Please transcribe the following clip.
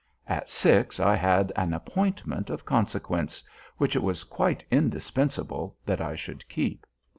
At six I had an appointment of consequence, which it was quite indispensable that I should keep.